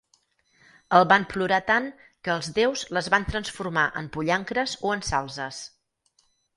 El van plorar tant que els déus les van transformar en pollancres o en salzes.